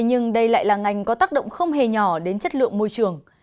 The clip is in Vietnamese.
nhưng đây lại là ngành có tác động không hề nhỏ đến chất lượng môi trường